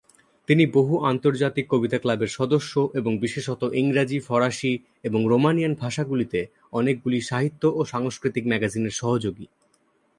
তিনি বহু আন্তর্জাতিক কবিতা ক্লাবের সদস্য এবং বিশেষত ইংরাজী, ফরাসী এবং রোমানিয়ান ভাষাগুলিতে অনেকগুলি সাহিত্য ও সাংস্কৃতিক ম্যাগাজিনের সহযোগী।